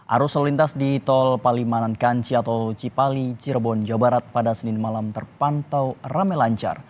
arus lalu lintas di tol palimanan kanci atau cipali cirebon jawa barat pada senin malam terpantau rame lancar